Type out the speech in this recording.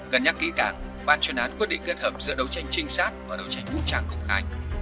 cân nhắc kỹ càng ban chuyên án quyết định kết hợp giữa đấu tranh trinh sát và đấu tranh vũ trang công khai